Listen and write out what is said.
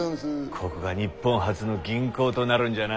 ここが日本初の銀行となるんじゃな？